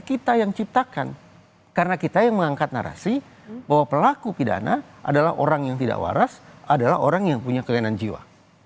kita yang ciptakan karena kita yang mengangkat narasi bahwa pelaku pidana adalah orang yang tidak waras adalah orang yang punya kelainan jiwa